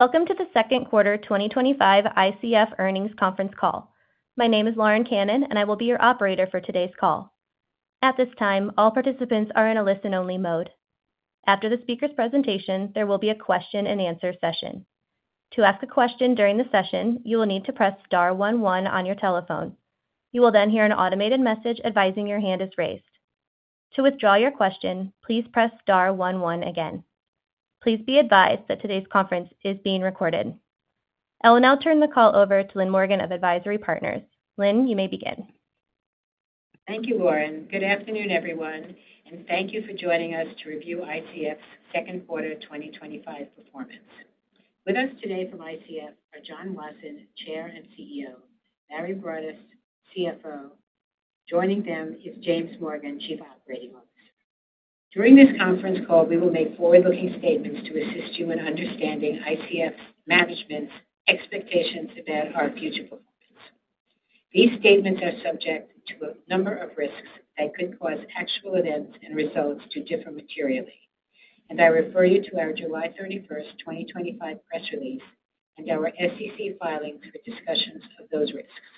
Welcome to the second quarter 2025 ICF earnings conference call. My name is Lauren Cannon, and I will be your operator for today's call. At this time, all participants are in a listen-only mode. After the speaker's presentation, there will be a question and answer session. To ask a question during the session, you will need to press star one one on your telephone. You will then hear an automated message advising your hand is raised. To withdraw your question, please press star one one again. Please be advised that today's conference is being recorded. I will now turn the call over to Lynn Morgen of AdvisIRy Partners. Lynn, you may begin. Thank you, Lauren. Good afternoon, everyone, and thank you for joining us to review ICF's second quarter 2025 performance. With us today from ICF are John Wasson, Chair and CEO, and Barry Broadus, CFO. Joining them is James Morgan, Chief Operating Officer. During this conference call, we will make forward-looking statements to assist you in understanding ICF's management's expectations about our future programs. These statements are subject to a number of risks that could cause actual events and results to differ materially, and I refer you to our July 31st, 2025 press release and our SEC filings for discussions of those risks.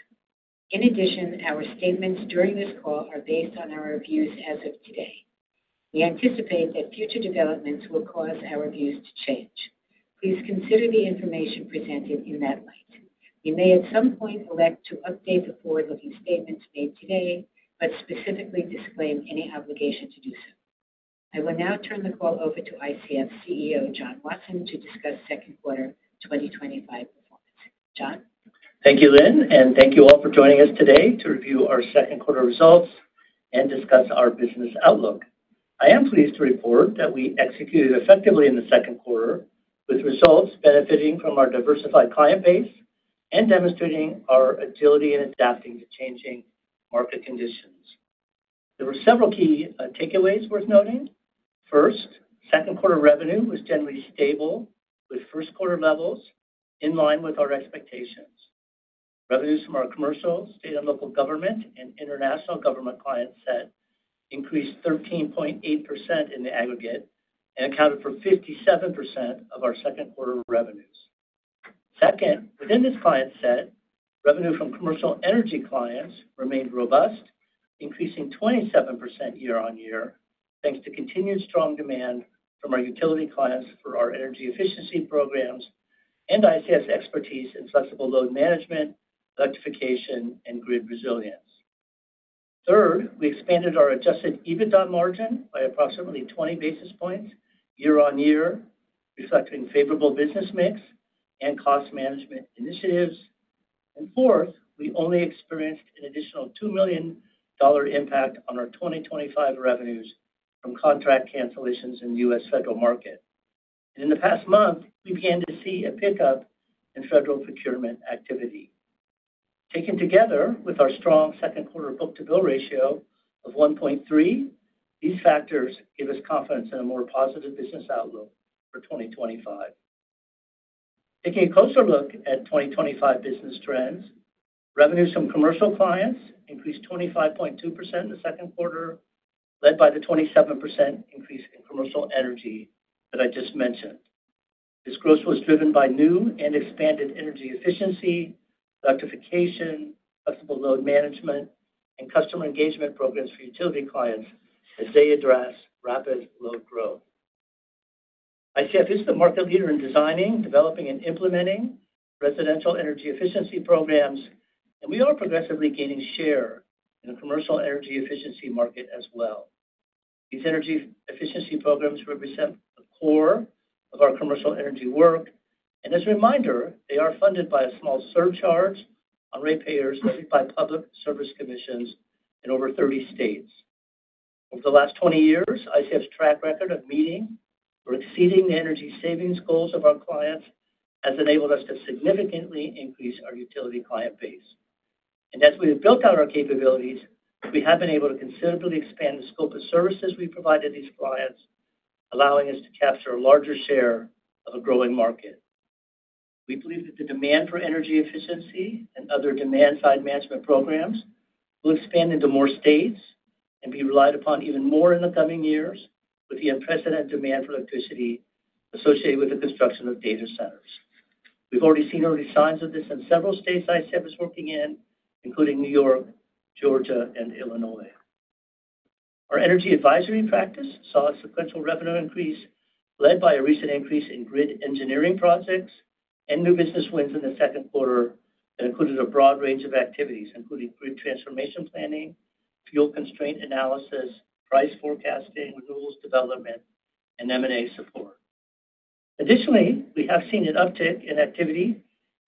In addition, our statements during this call are based on our views as of today. We anticipate that future developments will cause our views to change. Please consider the information presented in that light. We may at some point elect to update the forward-looking statements made today, but specifically disclaim any obligation to do so. I will now turn the call over to ICF CEO John Wasson to discuss second quarter 2025 performance. John? Thank you, Lynn, and thank you all for joining us today to review our second quarter results and discuss our business outlook. I am pleased to report that we executed effectively in the second quarter, with results benefiting from our diversified client base and demonstrating our agility in adapting to changing market conditions. There were several key takeaways worth noting. First, second quarter revenue was generally stable, with first quarter levels in line with our expectations. Revenues from our commercial, state and local governments, and international government client set increased 13.8% in the aggregate and accounted for 57% of our second quarter revenues. Second, within this client set, revenue from commercial energy clients remained robust, increasing 27% year-on-year, thanks to continued strong demand from our utility clients for our energy efficiency programs and ICF's expertise in flexible load management, electrification, and grid resilience. Third, we expanded our adjusted EBITDA margin by approximately 20 basis points year-on-year, reflecting a favorable business mix and cost management initiatives. Fourth, we only experienced an additional $2 million impact on our 2025 revenues from contract cancellations in the U.S. federal market. In the past month, we began to see a pickup in federal procurement activity. Taken together with our strong second quarter book-to-bill ratio of 1.3, these factors give us confidence in a more positive business outlook for 2025. Taking a closer look at 2025 business trends, revenues from commercial clients increased 25.2% in the second quarter, led by the 27% increase in commercial energy that I just mentioned. This growth was driven by new and expanded energy efficiency, electrification, flexible load management, and customer engagement programs for utility clients as they address rapid load growth. ICF is the market leader in designing, developing, and implementing residential energy efficiency programs, and we are progressively gaining share in the commercial energy efficiency market as well. These energy efficiency programs represent the core of our commercial energy work, and as a reminder, they are funded by a small surcharge on ratepayers issued by public service commissions in over 30 states. Over the last 20 years, ICF's track record of meeting or exceeding the energy savings goals of our clients has enabled us to significantly increase our utility client base. As we have built out our capabilities, we have been able to considerably expand the scope of services we've provided to these clients, allowing us to capture a larger share of a growing market. We believe that the demand for energy efficiency and other demand-side management programs will expand into more states and be relied upon even more in the coming years, with the unprecedented demand for electricity associated with the construction of data centers. We've already seen early signs of this in several states ICF is working in, including New York, Georgia, and Illinois. Our energy advisory practice saw a sequential revenue increase led by a recent increase in grid engineering projects and new business wins in the second quarter that included a broad range of activities, including grid transformation planning, fuel constraint analysis, price forecasting, renewables development, and M&A support. Additionally, we have seen an uptick in activity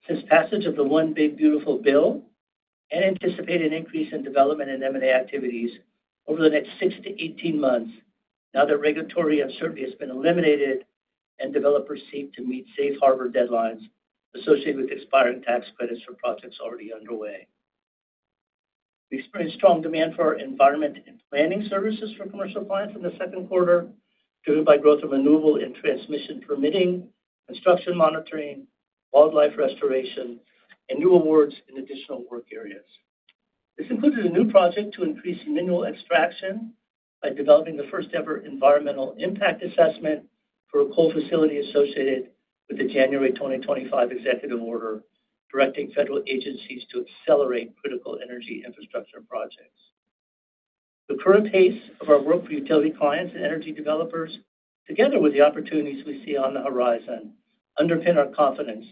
since the passage of the One Big Beautiful Bill and anticipate an increase in development and M&A activities over the next 6-18 months, now that regulatory uncertainty has been eliminated and developers seek to meet Safe Harbor deadlines associated with expiring tax credits for projects already underway. We experienced strong demand for our environment and planning services for commercial clients in the second quarter, driven by growth in renewable and transmission permitting, construction monitoring, wildlife restoration, and new awards in additional work areas. This included a new project to increase mineral extraction by developing the first ever environmental impact assessment for a coal facility associated with the January 2025 executive order, directing federal agencies to accelerate critical energy infrastructure projects. The current pace of our work for utility clients and energy developers, together with the opportunities we see on the horizon, underpin our confidence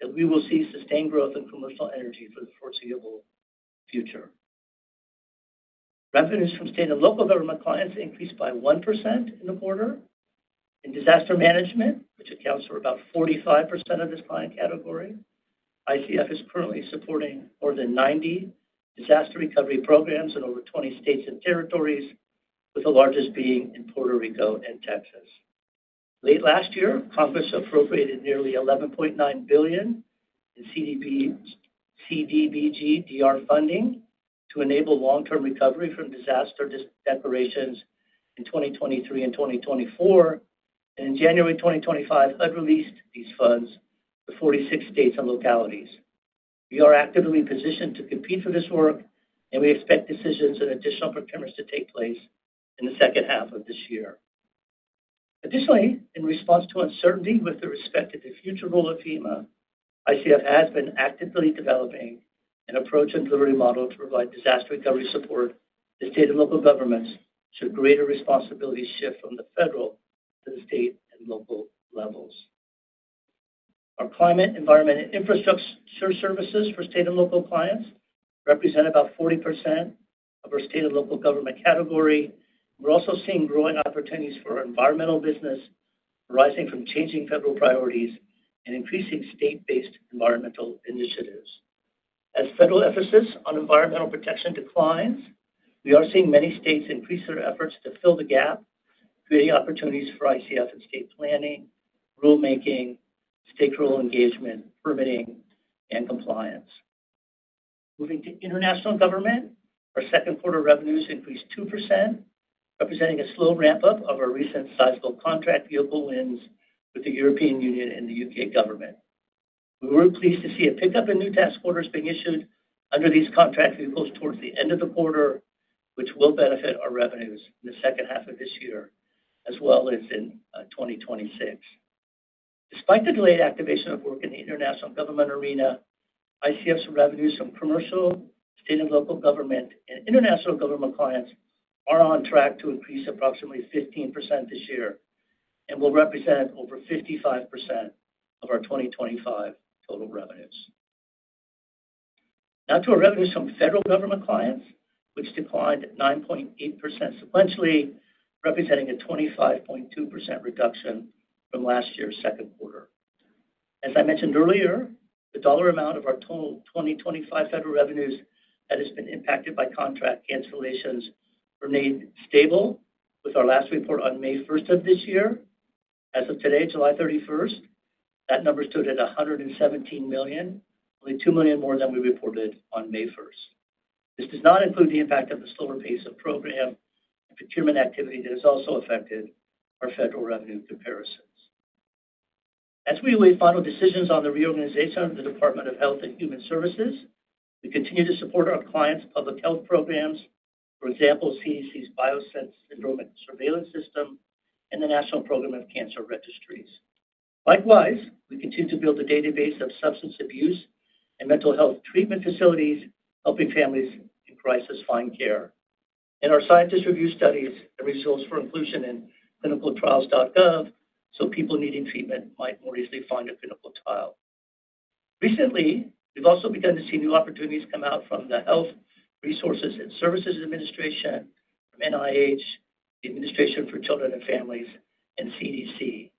that we will see sustained growth in commercial energy for the foreseeable future. Revenues from state and local government clients increased by 1% in the quarter. In disaster management, which accounts for about 45% of this client category, ICF is currently supporting more than 90 disaster recovery programs in over 20 states and territories, with the largest being in Puerto Rico and Texas. Late last year, Congress appropriated nearly $11.9 billion in CDBG-DR funding to enable long-term recovery from disaster declarations in 2023 and 2024, and in January 2025, HUD released these funds to 46 states and localities. We are actively positioned to compete for this work, and we expect decisions and additional procurements to take place in the second half of this year. Additionally, in response to uncertainty with respect to the future role of FEMA, ICF has been actively developing an approach and delivery model to provide disaster recovery support to state and local governments through greater responsibility shift from the federal to the state and local levels. Our climate, environment, and infrastructure services for state and local clients represent about 40% of our state and local government category. We're also seeing growing opportunities for our environmental business, arising from changing federal priorities and increasing state-based environmental initiatives. As federal emphasis on environmental protection declines, we are seeing many states increase their efforts to fill the gap, creating opportunities for ICF in state planning, rulemaking, state federal engagement, permitting, and compliance. Moving to international government, our second quarter revenues increased 2%, representing a slow ramp-up of our recent sizable contract vehicle wins with the European Union and the U.K. Government. We were pleased to see a pickup in new task orders being issued under these contract vehicles towards the end of the quarter, which will benefit our revenues in the second half of this year, as well as in 2026. Despite the delayed activation of work in the international government arena, ICF's revenues from commercial, state and local government, and international government clients are on track to increase approximately 15% this year and will represent over 55% of our 2025 total revenues. Now to our revenues from federal government clients, which declined 9.8% sequentially, representing a 25.2% reduction from last year's second quarter. As I mentioned earlier, the dollar amount of our total 2025 federal revenues that has been impacted by contract cancellations remained stable with our last report on May 1st of this year. As of today, July 31st, that number stood at $117 million, only $2 million more than we reported on May 1st. This does not include the impact of the slower pace of program and procurement activity that has also affected our federal revenue comparisons. As we await final decisions on the reorganization of the Department of Health and Human Services, we continue to support our clients' public health programs, for example, CDC's BioSense enrollment surveillance system and the National Program of Cancer Registries. Likewise, we continue to build a database of substance abuse and mental health treatment facilities, helping families in crisis find care. Our scientists review studies and results for inclusion in clinicaltrials.gov so people needing treatment might more easily find a clinical trial. Recently, we've also begun to see new opportunities come out from the Health Resources and Services Administration, from NIH, the Administration for Children and Families, and CDC.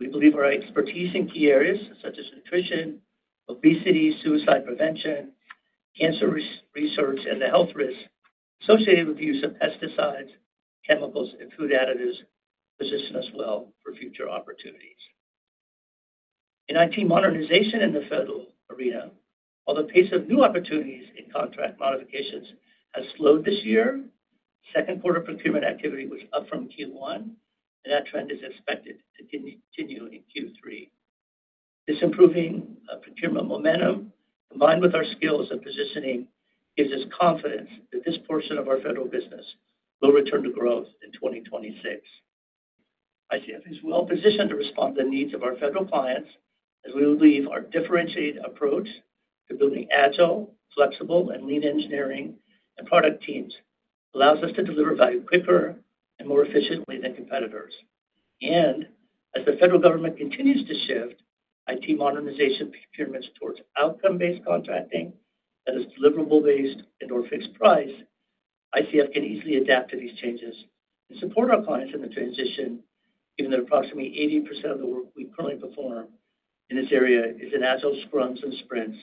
We believe our expertise in key areas such as nutrition, obesity, suicide prevention, cancer research, and the health risks associated with the use of pesticides, chemicals, and food additives positions well for future opportunities. In IT modernization in the federal arena, while the pace of new opportunities in contract modifications has slowed this year, the second quarter procurement activity was up from Q1, and that trend is expected to continue in Q3. This improving procurement momentum, combined with our skills and positioning, gives us confidence that this portion of our federal business will return to growth in 2026. ICF is well positioned to respond to the needs of our federal clients, as we believe our differentiated approach to building agile, flexible, and lean engineering and product teams allows us to deliver value quicker and more efficiently than competitors. As the federal government continues to shift IT modernization procurements towards outcome-based contracting that is deliverable-based and/or fixed price, ICF can easily adapt to these changes and support our clients in the transition, given that approximately 80% of the work we currently perform in this area is in agile scrums and sprints,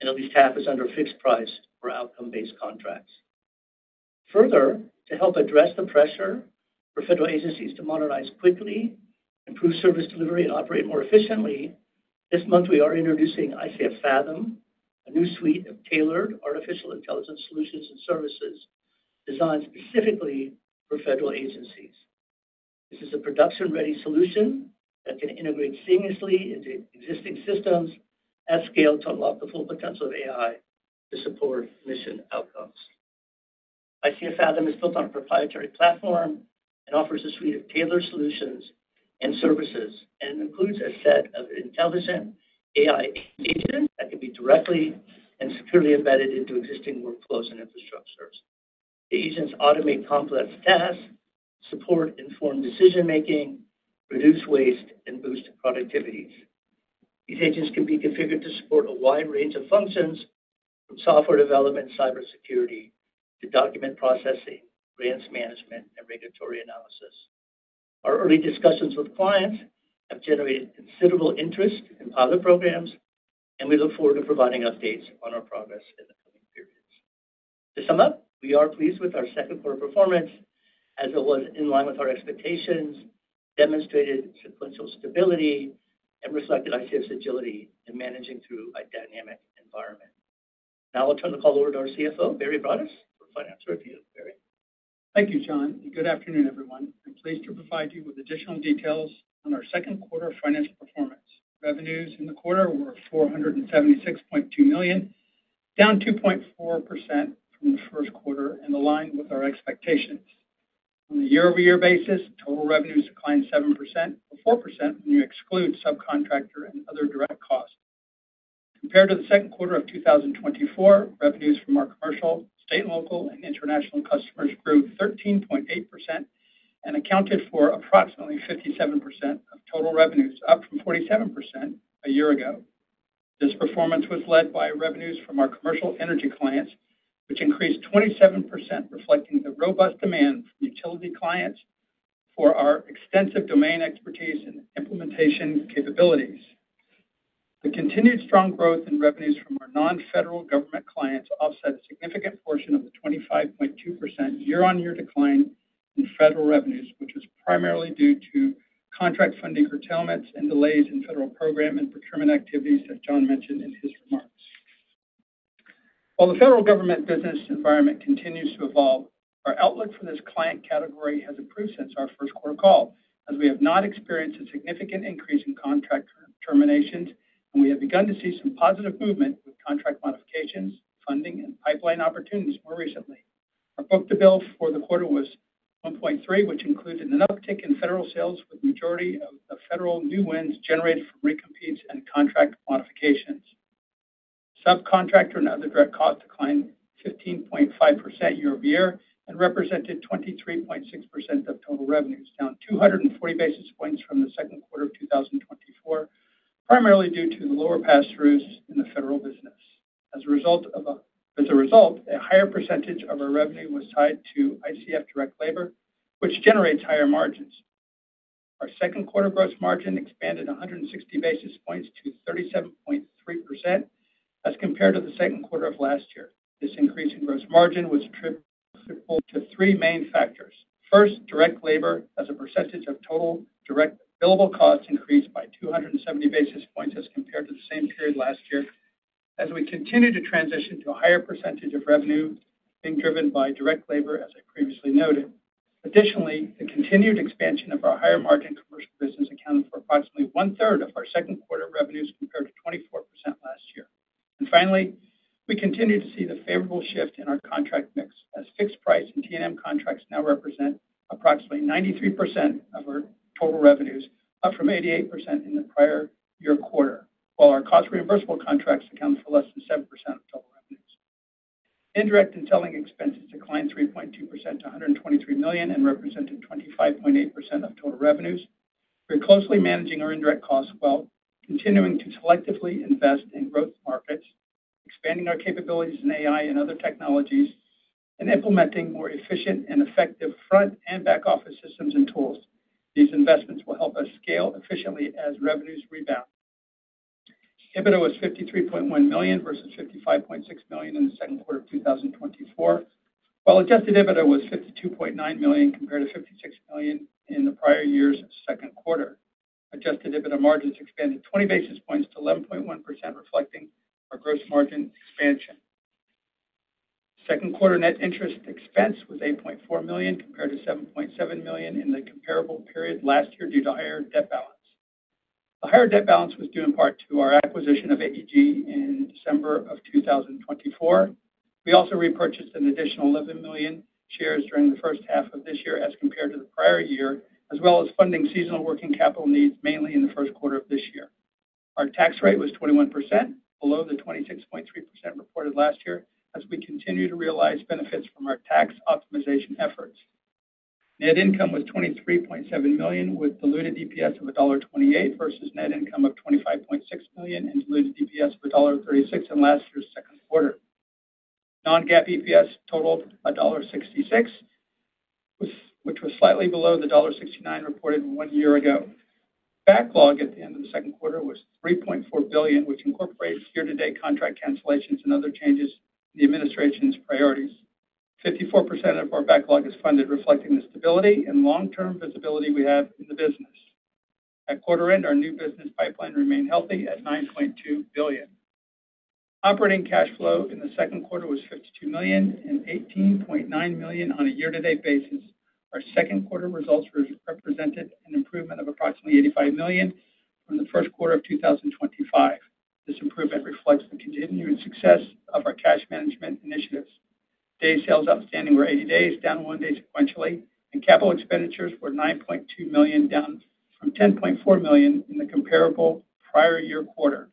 and at least half is under fixed price or outcome-based contracts. Further, to help address the pressure for federal agencies to modernize quickly, improve service delivery, and operate more efficiently, this month we are introducing ICF Fathom, a new suite of tailored artificial intelligence solutions and services designed specifically for federal agencies. This is a production-ready solution that can integrate seamlessly into existing systems at scale to unlock the full potential of AI to support mission outcomes. ICF Fathom is built on a proprietary platform and offers a suite of tailored solutions and services that includes a set of intelligent AI features that can be directly and securely embedded into existing workflows and infrastructures that automate complex tasks, support informed decision-making, reduce waste, and boost productivity. These agents can be configured to support a wide range of functions from software development, cybersecurity, to document processing, grants management, and regulatory analysis. Our early discussions with clients have generated considerable interest in the programs and we look forward to providing updates on our progress in the coming periods. To sum up, we are pleased with our second quarter performance as it was in line with our expectations, demonstrated sequential stability, and reflected ICF's agility in managing through a dynamic environment. Now I'll turn the call over to our CFO, Barry Broadus, for an answer review. Thank you, John. Good afternoon, everyone. I'm pleased to provide you with additional details on our second quarter of financial performance. Revenues in the quarter were $476.2 million, down 2.4% in the first quarter and aligned with our expectations. On a year-over-year basis, total revenues declined 7% to 4% when you exclude subcontractor and other direct costs. Compared to the second quarter of 2024, revenues from our commercial, state, local, and international customers grew 13.8% and accounted for approximately 57% of total revenues, up from 47% a year ago. This performance was led by revenues from our commercial energy clients, which increased 27%, reflecting the robust demand from utility clients for our extensive domain expertise and implementation capabilities. The continued strong growth in revenues from our non-federal government clients offset a significant portion of the 25.2% year-on-year decline in federal revenues, which is primarily due to contract funding curtailments and delays in federal program and procurement activities that John mentioned in his remarks. While the federal government business environment continues to evolve, our outlook for this client category has improved since our first quarter call, as we have not experienced a significant increase in contract terminations, and we have begun to see some positive movement with contract modifications, funding, and pipeline opportunities more recently. Our book-to-bill for the quarter was 1.3, which included an uptick in federal sales with the majority of the federal new wins generated from recompetes and contract modifications. Subcontractor and other direct costs declined 15.5% year-over-year and represented 23.6% of total revenues, down 240 basis points from the second quarter of 2024, primarily due to the lower pass-throughs in the federal business. As a result, a higher percentage of our revenue was tied to ICF direct labor, which generates higher margins. Our second quarter gross margin expanded 160 basis points to 37.3% as compared to the second quarter of last year. This increase in gross margin was attributable to three main factors. First, direct labor, as a percentage of total direct billable costs, increased by 270 basis points as compared to the same period last year, as we continue to transition to a higher percentage of revenue being driven by direct labor, as I previously noted. Additionally, the continued expansion of our higher margin commercial business accounts for approximately one-third of our second quarter revenues compared to 24% last year. Finally, we continue to see the favorable shift in our contract mix, as fixed price and T&M contracts now represent approximately 93% of our total revenues, up from 88% in the prior year quarter, while our cost-reimbursable contracts account for less than 7% of total revenues. Indirect and selling expenses declined 3.2% to $123 million and represented 25.8% of total revenues. We're closely managing our indirect costs while continuing to selectively invest in growth markets, expanding our capabilities in AI and other technologies, and implementing more efficient and effective front and back office systems and tools. These investments will help us scale efficiently as revenues rebound. EBITDA was $53.1 million versus $55.6 million in the second quarter of 2024, while adjusted EBITDA was $52.9 million compared to $56 million in the prior year's second quarter. Adjusted EBITDA margins expanded 20 basis points to 11.1%, reflecting our gross margin expansion. Second quarter net interest expense was $8.4 million compared to $7.7 million in the comparable period last year due to higher debt balance. The higher debt balance was due in part to our acquisition of AEG in December of 2024. We also repurchased an additional 11 million shares during the first half of this year as compared to the prior year, as well as funding seasonal working capital needs mainly in the first quarter of this year. Our tax rate was 21%, below the 26.3% reported last year, as we continue to realize benefits from our tax optimization efforts. Net income was $23.7 million with diluted EPS of $1.28 versus net income of $25.6 million and diluted EPS of $1.36 in last year's second quarter. Non-GAAP EPS totaled $1.66, which was slightly below the $1.69 reported one year ago. Backlog at the end of the second quarter was $3.4 billion, which incorporates year-to-date contract cancellations and other changes in the administration's priorities. 54% of our backlog is funded, reflecting the stability and long-term visibility we have in the business. At quarter end, our new business pipeline remained healthy at $9.2 billion. Operating cash flow in the second quarter was $52 million and $18.9 million on a year-to-date basis. Our second quarter results represented an improvement of approximately $85 million from the first quarter of 2025. This improvement reflects the continued success of our cash management initiatives. Days sales outstanding were 80 days, down one day sequentially, and capital expenditures were $9.2 million, down from $10.4 million in the comparable prior year quarter.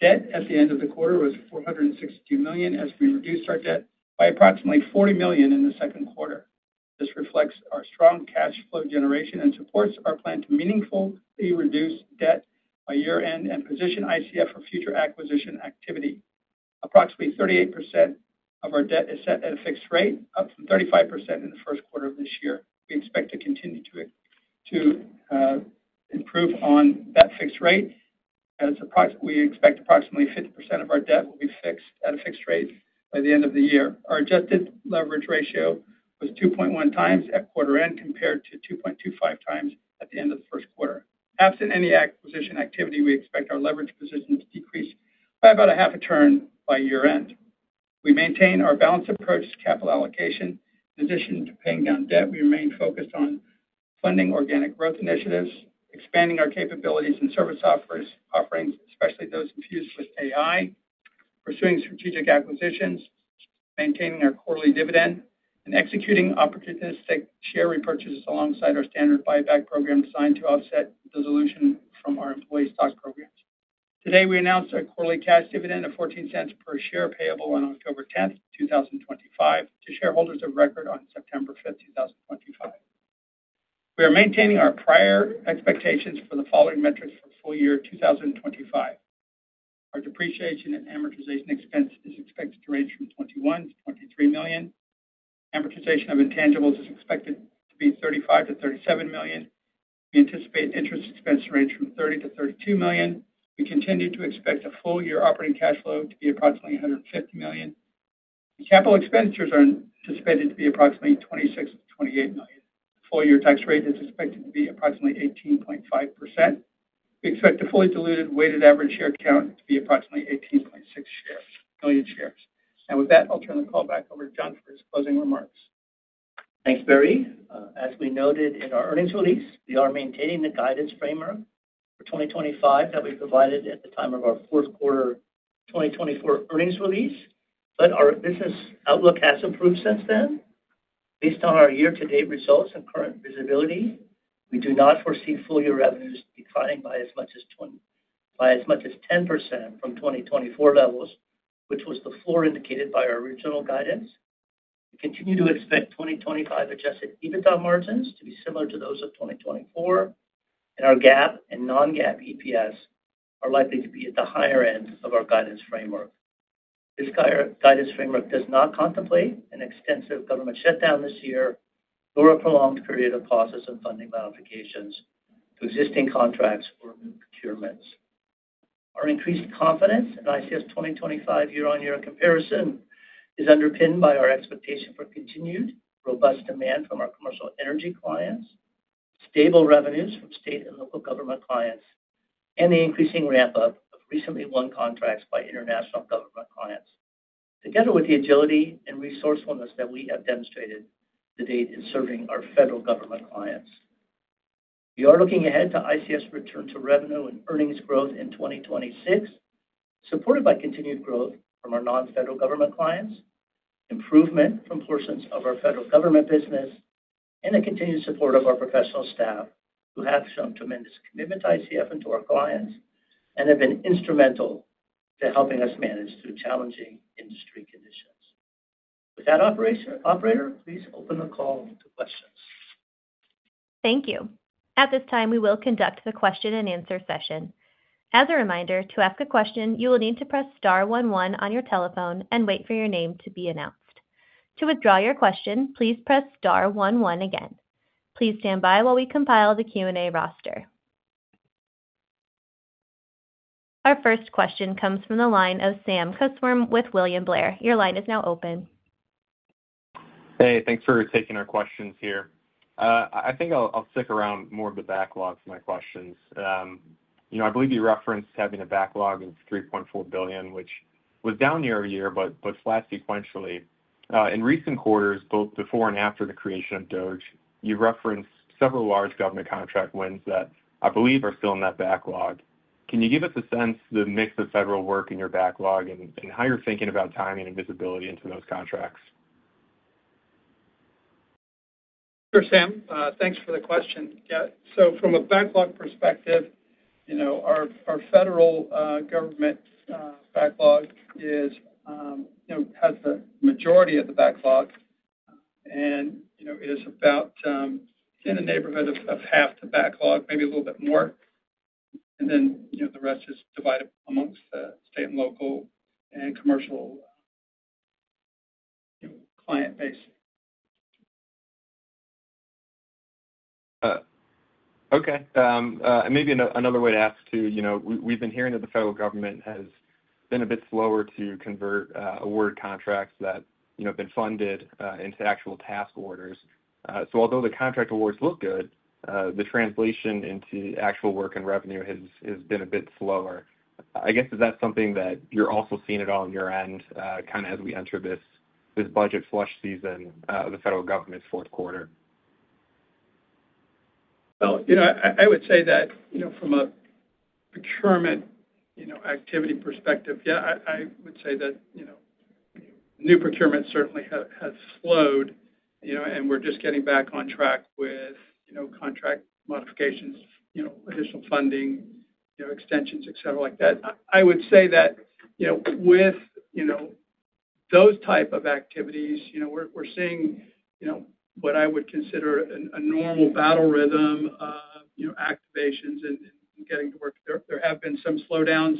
Debt at the end of the quarter was $462 million, as we reduced our debt by approximately $40 million in the second quarter. This reflects our strong cash flow generation and supports our plan to meaningfully reduce debt by year-end and position ICF for future acquisition activity. Approximately 38% of our debt is set at a fixed rate, up from 35% in the first quarter of this year. We expect to continue to improve on that fixed rate, as we expect approximately 50% of our debt will be fixed at a fixed rate by the end of the year. Our adjusted leverage ratio was 2.1x at quarter end compared to 2.25x at the end of the first quarter. Absent any acquisition activity, we expect our leverage positions to decrease by about a half a turn by year-end. We maintain our balanced approach to capital allocation. In addition to paying down debt, we remain focused on funding organic growth initiatives, expanding our capabilities and service offerings, especially those infused with AI, pursuing strategic acquisitions, maintaining our quarterly dividend, and executing opportunistic share repurchases alongside our standard buyback program designed to offset dilution from our vesting stock programs. Today, we announced our quarterly cash dividend of $0.14 per share payable on October 10th, 2025, to shareholders of record on September 5th, 2025. We are maintaining our prior expectations for the following metrics for the full year 2025. Our depreciation and amortization expense is expected to range from $21 million-$23 million. Amortization of intangibles is expected to be $35 million-$37 million. We anticipate interest expense to range from $30 million-$32 million. We continue to expect full year operating cash flow to be approximately $150 million. The capital expenditures are anticipated to be approximately $26 million-$28 million. The full year tax rate is expected to be approximately 18.5%. We expect a fully diluted weighted average share count to be approximately 18.6 million shares. With that, I'll turn the call back over to John for his closing remarks. Thanks, Barry. As we noted in our earnings release, we are maintaining the guidance framework for 2025 that will be provided at the time of our fourth quarter 2024 earnings release, but our business outlook has improved since then. Based on our year-to-date results and current visibility, we do not foresee full year revenues declining by as much as 10% from 2024 levels, which was before indicated by our original guidance. We continue to expect 2025 adjusted EBITDA margins to be similar to those of 2024, and our GAAP and non-GAAP EPS are likely to be at the higher end of our guidance framework. This guidance framework does not contemplate an extensive government shutdown this year or a prolonged period of pauses and funding modifications to existing contracts or procurements. Our increased confidence in ICF's 2025 year-on-year comparison is underpinned by our expectation for continued robust demand from our commercial energy clients, stable revenues from state and local government clients, and the increasing ramp-up of recently won contracts by international government clients, together with the agility and resourcefulness that we have demonstrated to date in serving our federal government clients. We are looking ahead to ICF's return to revenue and earnings growth in 2026, supported by continued growth from our non-federal government clients, improvement from portions of our federal government business, and the continued support of our professional staff who have shown tremendous commitment to ICF and to our clients and have been instrumental to helping us manage through challenging industry conditions. With that, operator, please open the call to questions. Thank you. At this time, we will conduct the question and answer session. As a reminder, to ask a question, you will need to press star one one on your telephone and wait for your name to be announced. To withdraw your question, please press star one one again. Please stand by while we compile the Q&A roster. Our first question comes from the line of Sam Kusswurm with William Blair. Your line is now open. Hey, thanks for taking our questions here. I think I'll stick around more of the backlog for my questions. I believe you referenced having a backlog in $3.4 billion, which was down year-over-year, but flat sequentially. In recent quarters, both before and after the creation of DOGE, you've referenced several large government contract wins that I believe are still in that backlog. Can you give us a sense of the mix of federal work in your backlog and how you're thinking about timing and visibility into those contracts? Sure, Sam. Thanks for the question. From a backlog perspective, our federal government backlog has the majority of the backlog. It is about in the neighborhood of half the backlog, maybe a little bit more. The rest is divided amongst the state and local and commercial client base. Okay. Maybe another way to ask too, we've been hearing that the federal government has been a bit slower to convert award contracts that have been funded into actual task orders. Although the contract awards look good, the translation into actual work and revenue has been a bit slower. I guess, is that something that you're also seeing at all on your end, kind of as we enter this budget flush season of the federal government's fourth quarter? I would say that from a procurement activity perspective, new procurement certainly has slowed, and we're just getting back on track with contract modifications, additional funding, extensions, et cetera, like that. I would say that with those types of activities, we're seeing what I would consider a normal battle rhythm of activations and getting to work. There have been some slowdowns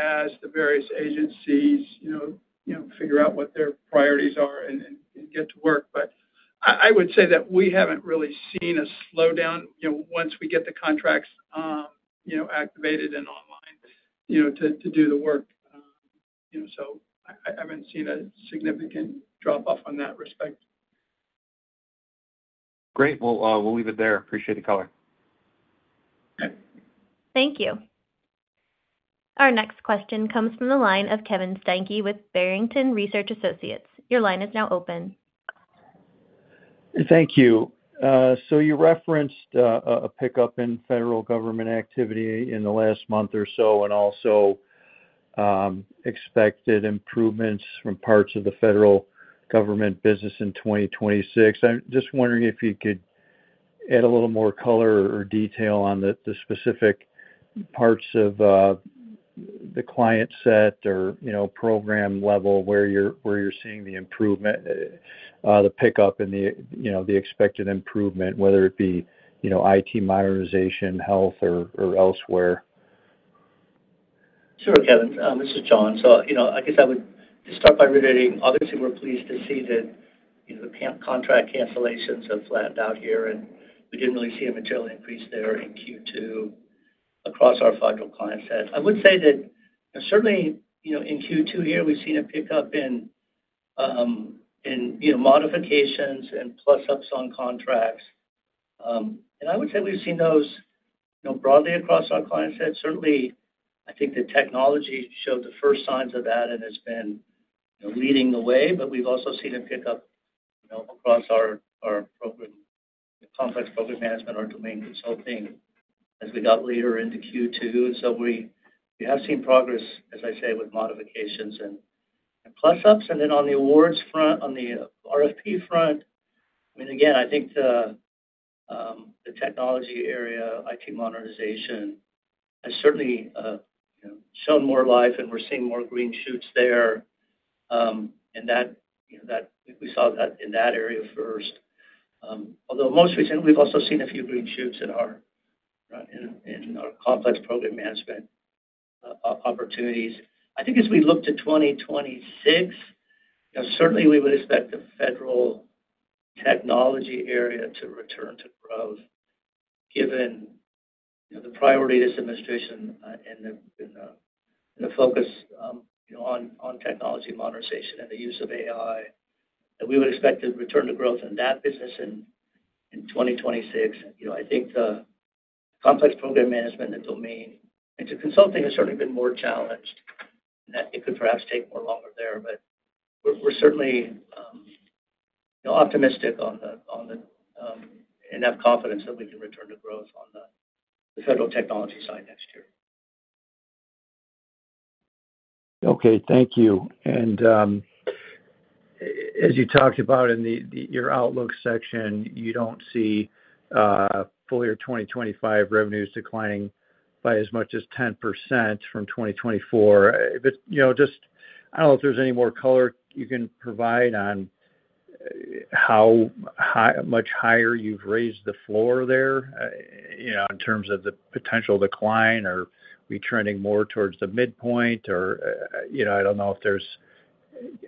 as the various agencies figure out what their priorities are and get to work. I would say that we haven't really seen a slowdown once we get the contracts activated and online to do the work. I haven't seen a significant drop-off on that respect. Great. We'll leave it there. Appreciate the color. Thank you. Our next question comes from the line of Kevin Steinke with Barrington Research Associates. Your line is now open. Thank you. You referenced a pickup in federal government activity in the last month or so and also expected improvements from parts of the federal government business in 2026. I'm just wondering if you could add a little more color or detail on the specific parts of the client set or, you know, program level where you're seeing the improvement, the pickup, and the expected improvement, whether it be, you know, IT modernization, health, or elsewhere. Sure, Kevin. This is John. I would just start by reiterating, obviously, we're pleased to see that the contract cancellations have flattened out here, and we didn't really see a material increase there in Q2 across our federal client set. I would say that certainly in Q2 here, we've seen a pickup in modifications and plus-ups on contracts. I would say we've seen those broadly across our client set. Certainly, I think the technology showed the first signs of that and has been leading the way, but we've also seen a pickup across our program, the complex program management, our domain consulting as we got later into Q2. We have seen progress, as I say, with modifications and plus-ups. On the awards front, on the RFP front, I think the technology area, IT modernization has certainly shown more life, and we're seeing more green shoots there. We saw that in that area first. Although most recently, we've also seen a few green shoots in our complex program management opportunities. I think as we look to 2026, certainly we would expect the federal technology area to return to growth given the priority of this administration and the focus on technology modernization and the use of AI. We would expect a return to growth in that business in 2026. I think the complex program management and domain consulting has certainly been more challenged and that it could perhaps take more longer there, but we're certainly optimistic and have confidence that we can return to growth on the federal technology side next year. Thank you. As you talked about in your outlook section, you don't see for your 2025 revenues declining by as much as 10% from 2024. I don't know if there's any more color you can provide on how much higher you've raised the floor there in terms of the potential decline or retraining more towards the midpoint. I don't know if there's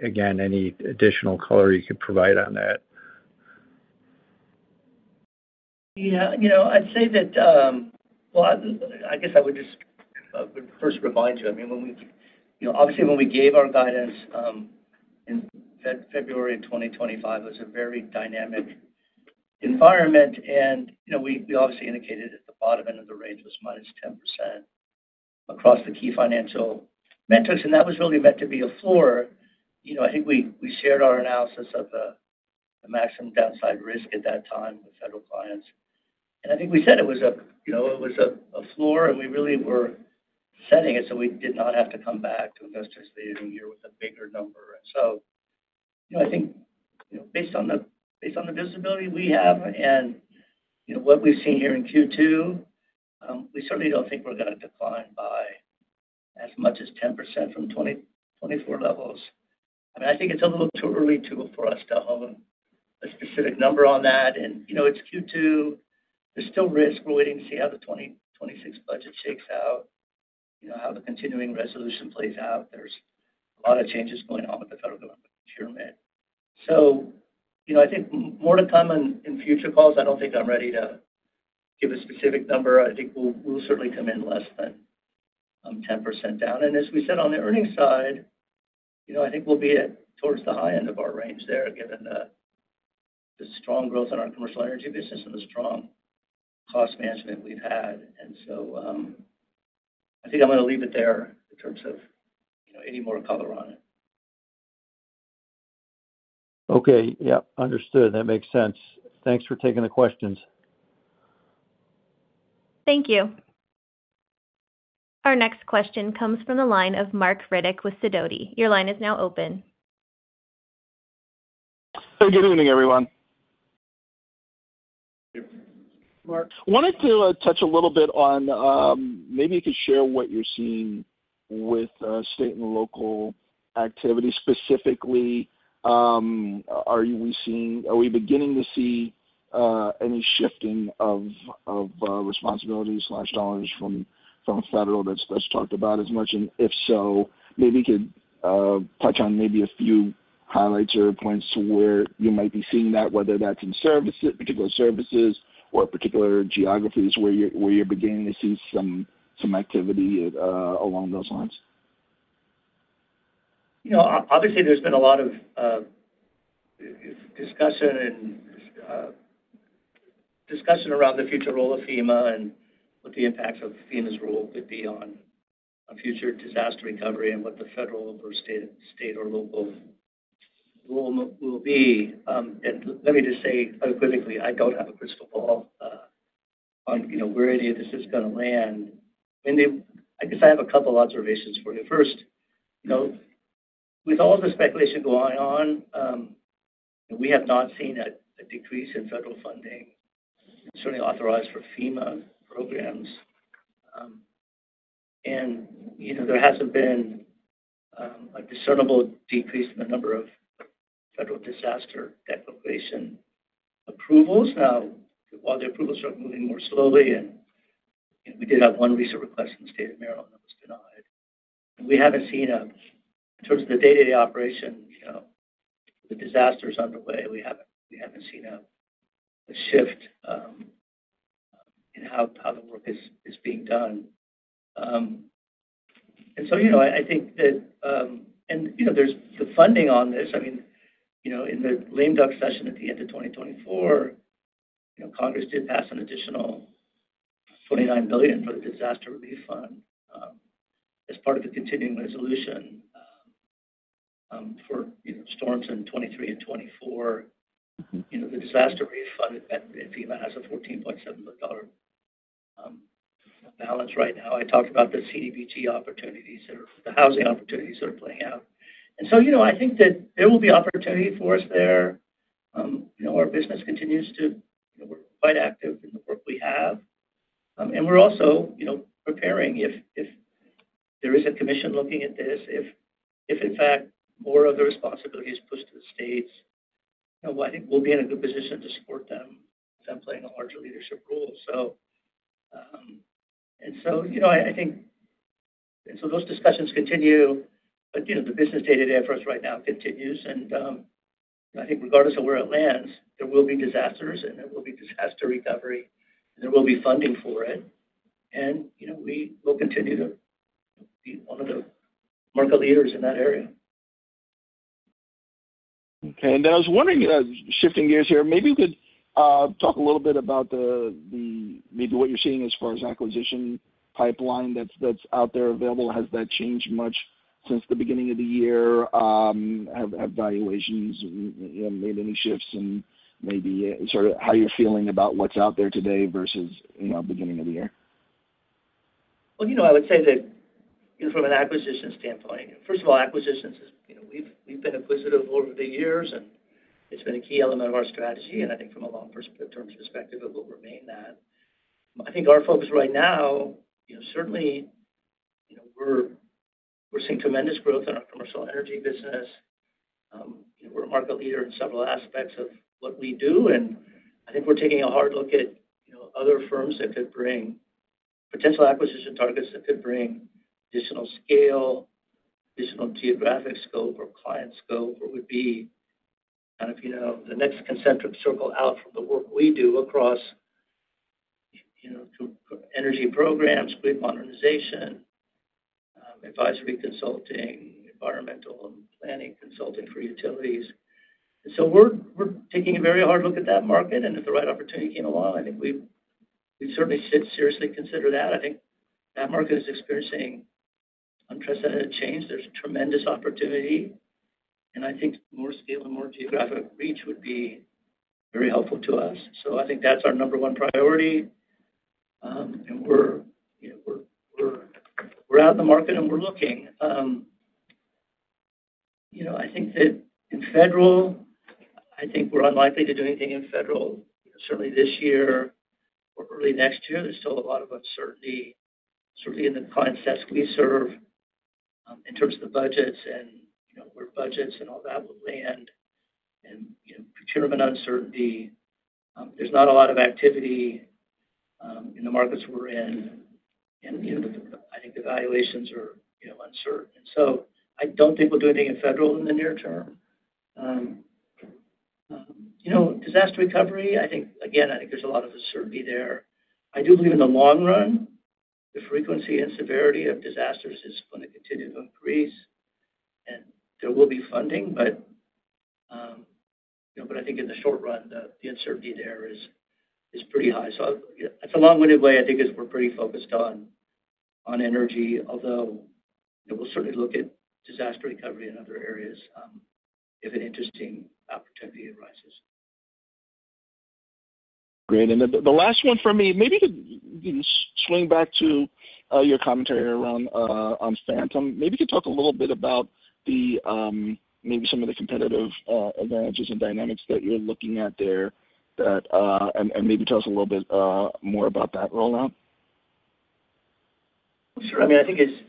any additional color you could provide on that. Yeah. I'd say that, I guess I would just first remind you, I mean, when we gave our guidance in February of 2025, it was a very dynamic environment. We indicated at the bottom end of the range was minus 10% across the key financial metrics. That was really meant to be a floor. I think we shared our analysis of the maximum downside risk at that time with federal clients. I think we said it was a floor, and we really were setting it so we did not have to come back to adjust this year with a bigger number. Based on the visibility we have and what we've seen here in Q2, we certainly don't think we're going to decline by as much as 10% from 2024 levels. I think it's a little too early for us to hone a specific number on that. It's Q2. There's still risk. We're waiting to see how the 2026 budget shakes out, how the continuing resolution plays out. There's a lot of changes going on with the federal government procurement. I think more to come in future calls. I'm not ready to give a specific number. I think we'll certainly come in less than 10% down. As we said on the earnings side, I think we'll be towards the high end of our range there, given the strong growth in our commercial energy business and the strong cost management we've had. I think I'm going to leave it there in terms of any more color on it. Okay. Yeah, understood. That makes sense. Thanks for taking the questions. Thank you. Our next question comes from the line of Marc Riddick with Sidoti & Company. Your line is now open. Good evening, everyone. Marc. Wanted to touch a little bit on maybe you could share what you're seeing with state and local activity. Specifically, are we seeing, are we beginning to see any shifting of responsibilities/dollars from federal that's less talked about as much? If so, maybe you could touch on maybe a few highlights or points to where you might be seeing that, whether that's in services, particular services, or particular geographies where you're beginning to see some activity along those lines. Obviously, there's been a lot of discussion around the future role of FEMA and what the impacts of FEMA's role could be on future disaster recovery and what the federal versus state or local role will be. Let me just say, unequivocally, I don't have a crystal ball on where any of this is going to land. I have a couple of observations for you. First, with all the speculation going on, we have not seen a decrease in federal funding, certainly authorized for FEMA programs. There hasn't been a discernible decrease in the number of federal disaster evacuation approvals. While the approvals are moving more slowly, and we did have one recent in the state of Maryland that was denied, we haven't seen, in terms of the day-to-day operation, the disasters underway, a shift in how the work is being done. I think that, and there's the funding on this. In the lame duck session at the end of 2024, Congress did pass an additional $29 billion for the disaster relief fund as part of the continuing resolution for storms in 2023 and 2024. The disaster relief fund in FEMA has a $14.7 million balance right now. I talked about the CDBG opportunities that are the housing opportunities that are playing out. I think that there will be opportunity for us there. Our business continues to be quite active in the work we have. We're also preparing if there is a commission looking at this, if, in fact, more of the responsibility is pushed to the states, I think we'll be in a good position to support them because I'm playing a larger leadership role. Those discussions continue, but the business day-to-day for us right now continues. I think regardless of where it lands, there will be disasters, and there will be disaster recovery, and there will be funding for it. We will continue to be one of the market leaders in that area. Okay. I was wondering, shifting gears here, maybe you could talk a little bit about what you're seeing as far as acquisition pipeline that's out there available. Has that changed much since the beginning of the year? Have valuations made any shifts in maybe sort of how you're feeling about what's out there today versus the beginning of the year? From an acquisition standpoint, acquisitions have been a key element of our strategy over the years. I think from a long-term perspective, it will remain that. Our focus right now is certainly on the tremendous growth in our commercial energy business. We're a market leader in several aspects of what we do. We're taking a hard look at other firms that could bring potential acquisition targets, additional scale, additional geographic scope, or client scope, or would be the next concentric circle out from the work we do across energy efficiency programs, grid modernization, advisory consulting, environmental consulting, and planning consulting for utilities. We're taking a very hard look at that market. If the right opportunity came along, we'd certainly seriously consider that. That market is experiencing unprecedented change. There's a tremendous opportunity, and more scale and more geographic reach would be very helpful to us. That's our number one priority around the market that we're looking at. I think that federal, we're unlikely to do anything in federal. Certainly this year, early next year, there's still a lot of uncertainty in the client sets we serve in terms of the budgets and where budgets and all that will land and procurement uncertainty. There's not a lot of activity in the markets we're in. I think the valuations are uncertain, and I don't think we'll do anything in federal in the near term. Disaster recovery, again, there's a lot of uncertainty there. I do believe in the long run, the frequency and severity of disasters is going to continue to increase, and there will be funding, but in the short run, the uncertainty there is pretty high. That's a long-winded way to say we're pretty focused on energy, although we'll certainly look at disaster recovery and other areas if an interesting opportunity arises. Great. The last one for me, maybe to swing back to your commentary around Fathom, maybe you could talk a little bit about maybe some of the competitive advantages and dynamics that you're looking at there and maybe tell us a little bit more about that rollout. Sure. I mean, I think it's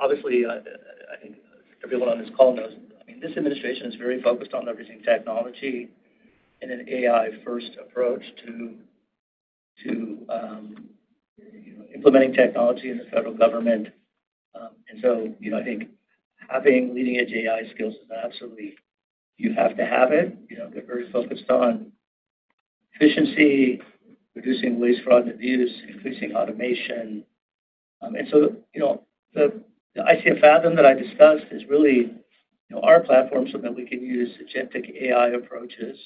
obviously, I think everyone on this call knows, this administration is very focused on leveraging technology and an AI-first approach to implementing technology in the federal government. I think having leading-edge AI skills is absolutely, you have to have it. They're focused on efficiency, reducing waste, fraud, and increasing automation. The ICF add-on that I discussed is really our platform so that we can use agentic AI approaches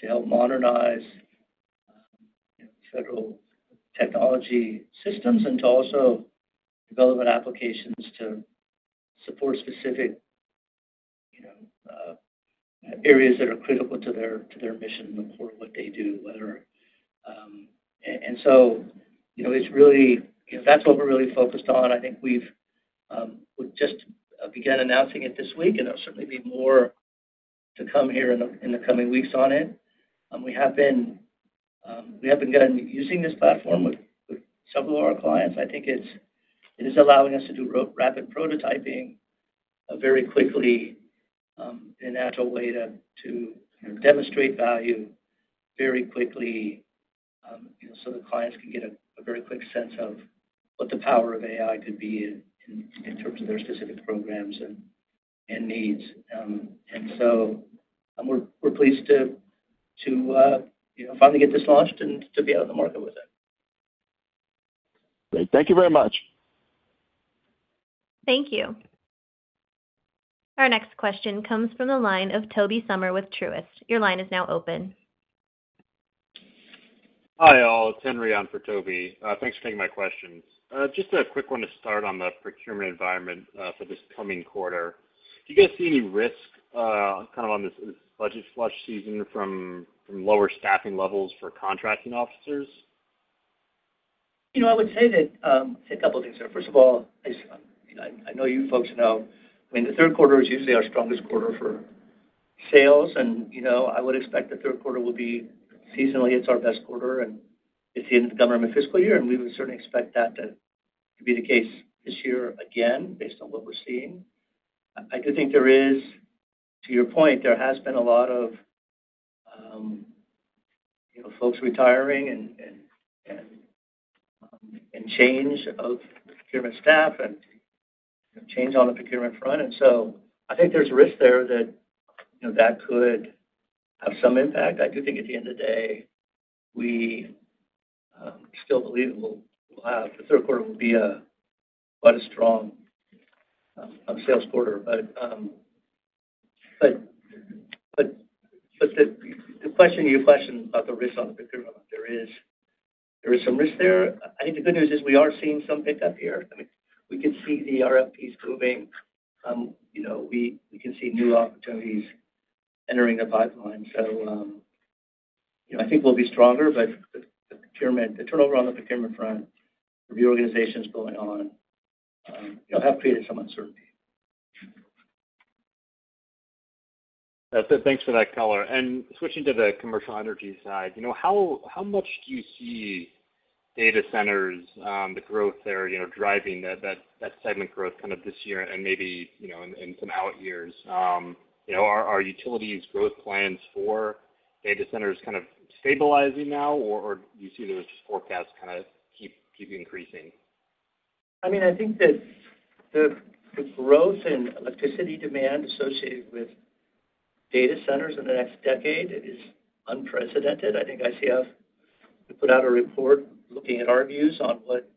to help modernize federal technology systems and to also develop applications to support specific areas that are critical to their mission and the core of what they do. It's really, that's what we're really focused on. I think we've just begun announcing it this week, and there'll certainly be more to come here in the coming weeks on it. We have been good at using this platform with some of our clients. I think it is allowing us to do rapid prototyping very quickly, and that's a way to demonstrate value very quickly, so the clients can get a very quick sense of what the power of AI could be in terms of their specific programs and needs. We're pleased to finally get this launched and to be out in the market with it. Great. Thank you very much. Thank you. Our next question comes from the line of Tobey Sommer with Truist Securities. Your line is now open. Hi, all. It's Henry on for Tobey. Thanks for taking my questions. Just a quick one to start on the procurement environment for this coming quarter. Do you guys see any risk on this budget flush season from lower staffing levels for contracting officers? I would say a couple of things here. First of all, I know you folks know the third quarter is usually our strongest quarter for sales. I would expect the third quarter will be seasonally our best quarter, and it's the end of the government fiscal year. We would certainly expect that to be the case this year again based on what we're seeing. I do think there is, to your point, a lot of folks retiring and change of procurement staff and change on the procurement front. I think there's risk there that could have some impact. I do think at the end of the day, we still believe that the third quarter will be quite a strong sales quarter. The question you asked about the risk on the procurement, there is some risk there. The good news is we are seeing some pickup here. We could see the RFPs moving. We could see new opportunities entering the pipeline. I think we'll be stronger, but the turnover on the procurement front, the reorganizations going on, have created some uncertainty. Thanks for that color. Switching to the commercial energy side, how much do you see data centers, the growth there, driving that segment growth this year and maybe in out years? Are utilities' growth plans for data centers stabilizing now, or do you see those forecasts keep increasing? I think that the growth in electricity demand associated with data centers in the next decade is unprecedented. I think ICF put out a report looking at our views on what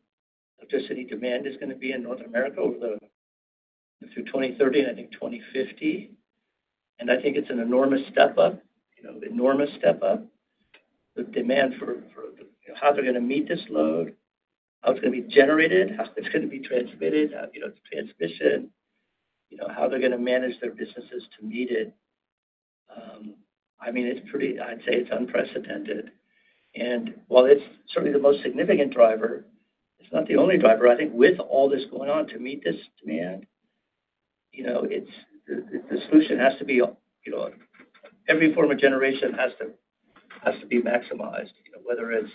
electricity demand is going to be in North America over the year 2030 and I think 2050. I think it's an enormous step up, you know, enormous step up. The demands for how they're going to meet this load, how it's going to be generated, how it's going to be transmitted, transmission, you know, how they're going to manage their businesses to meet it. It's pretty, I'd say it's unprecedented. While it's certainly the most significant driver, it's not the only driver. I think with all this going on to meet this demand, the solution has to be, you know, every form of generation has to be maximized, whether it's,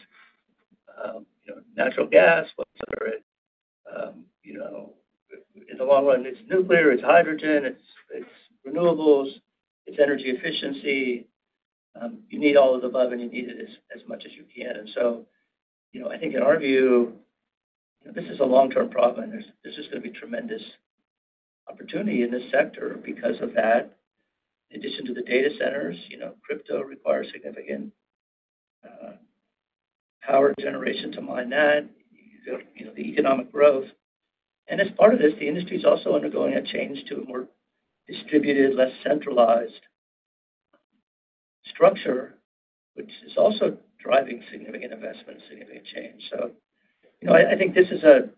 you know, natural gas, whatever, you know, in the long run, it's nuclear, it's hydrogen, it's renewables, it's energy efficiency. You need all of the above, and you need it as much as you can. In our view, this is a long-term problem, and there's just going to be tremendous opportunity in this sector because of that. In addition to the data centers, crypto requires significant power generation to mine that. The economic growth. As part of this, the industry is also undergoing a change to a more distributed, less centralized structure, which is also driving significant investment and significant change. I think this is a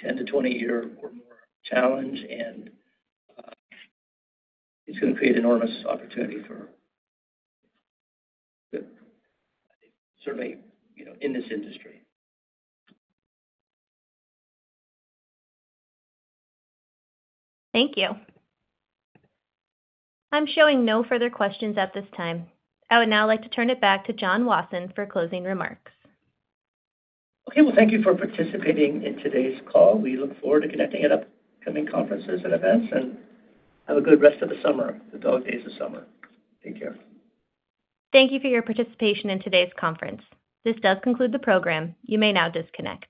10 to 20-year challenge, and it's going to create enormous opportunity for, certainly, you know, in this industry. Thank you. I'm showing no further questions at this time. I would now like to turn it back to John Wasson for closing remarks. Thank you for participating in today's call. We look forward to connecting at upcoming conferences and events. Have a good rest of the summer, the dog days of summer. Take care. Thank you for your participation in today's conference. This does conclude the program. You may now disconnect.